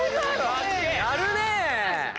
やるね。